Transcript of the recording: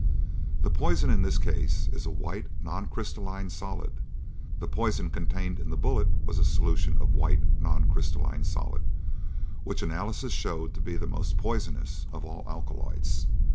The poison in this case is a white, non crystalline solid; the poison contained in the bullet was a solution of a white, non crystalline solid, which analysis showed to be the most poisonous of all akaloids.